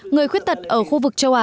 người khuyết tật ở khu vực châu á